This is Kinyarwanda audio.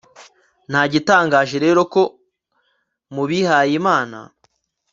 nta gitangaje rero ko mu bihayimana